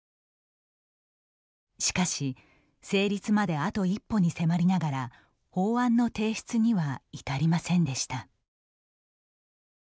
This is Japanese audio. しかし、成立まであと一歩に迫りながら法案の提出には至りませんでした。